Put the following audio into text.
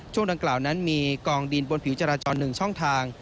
ดังกล่าวนั้นมีกองดินบนผิวจราจร๑ช่องทาง